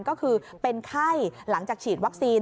ก็คือเป็นไข้หลังจากฉีดวัคซีน